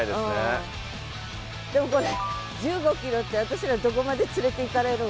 でもこれ１５ｋｍって私らどこまで連れていかれるん？